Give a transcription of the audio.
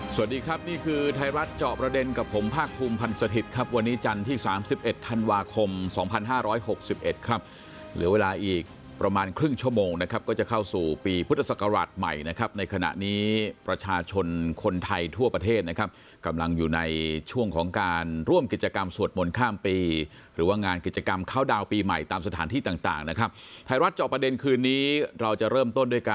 สวัสดีครับนี่คือไทยรัฐเจาะประเด็นกับผมภาคภูมิพันธ์สถิตย์ครับวันนี้จันทร์ที่๓๑ธันวาคม๒๕๖๑ครับเหลือเวลาอีกประมาณครึ่งชั่วโมงนะครับก็จะเข้าสู่ปีพุทธศักราชใหม่นะครับในขณะนี้ประชาชนคนไทยทั่วประเทศนะครับกำลังอยู่ในช่วงของการร่วมกิจกรรมสวดมนต์ข้ามปีหรือว่างานก